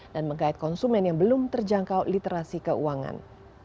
dan mengait konsumen yang belum terjangkau literasi keuangan